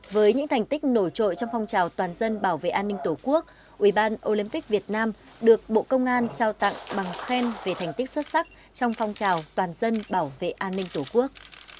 với những thành tích nổi trội trong phong trào toàn dân bảo vệ an ninh tổ quốc ubnd việt nam được bộ công an trao tặng bằng khen về thành tích xuất sắc trong phong trào toàn dân bảo vệ an ninh tổ quốc